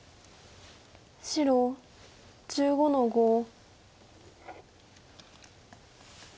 白１５の五。